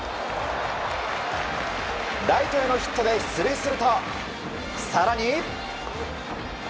ライトへのヒットで出塁すると更に。